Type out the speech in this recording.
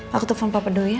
aku telfon pak pedul ya